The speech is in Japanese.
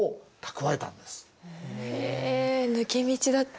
へえ抜け道だって？